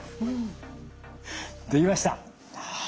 できました。